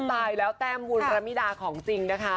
ตายแล้วแต้มบุญระมิดาของจริงนะคะ